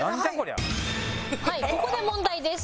「はいここで問題です」